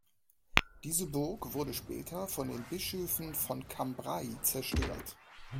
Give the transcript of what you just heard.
Diese Burg wurde später von den Bischöfen von Cambrai zerstört.